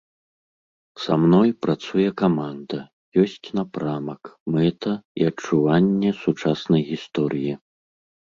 Са мной працуе каманда, ёсць напрамак, мэта і адчуванне сучаснай гісторыі.